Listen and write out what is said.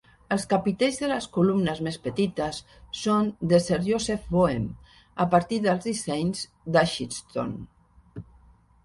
Els capitells de les columnes més petites són de Sir Joseph Boehm, a partir dels dissenys d'Aitchison.